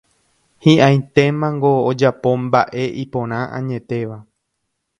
Hi'ãitémango ojapo mba'e iporã añetéva